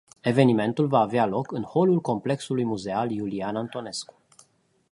Evenimentul va avea loc în holul complexului muzeal Iulian Antonescu.